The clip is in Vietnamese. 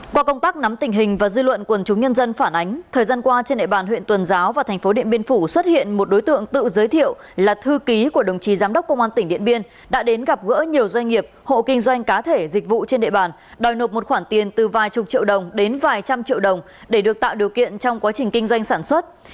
qua công tác nắm tình hình và dư luận quần chúng nhân dân phản ánh thời gian qua trên địa bàn huyện tuần giáo và thành phố điện biên phủ xuất hiện một đối tượng tự giới thiệu là thư ký của đồng chí giám đốc công an tỉnh điện biên đã đến gặp gỡ nhiều doanh nghiệp hộ kinh doanh cá thể dịch vụ trên địa bàn đòi nộp một khoản tiền từ vài chục triệu đồng đến vài trăm triệu đồng để được tạo điều kiện trong quá trình kinh doanh sản xuất